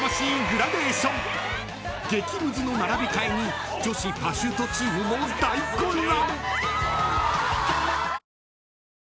グラデーション激むずの並び替えに女子パシュートチームも大混乱］